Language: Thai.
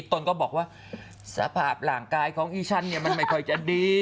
ตนก็บอกว่าสภาพร่างกายของอีชันเนี่ยมันไม่ค่อยจะดี